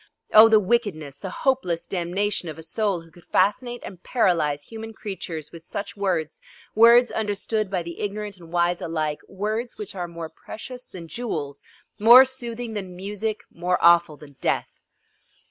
Oh the wickedness, the hopeless damnation of a soul who could fascinate and paralyze human creatures with such words, words understood by the ignorant and wise alike, words which are more precious than jewels, more soothing than music, more awful than death!